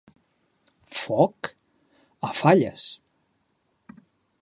Foc? A falles!